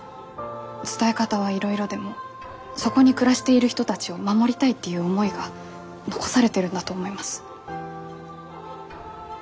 伝え方はいろいろでもそこに暮らしている人たちを守りたいっていう思いが残されてるんだと思います。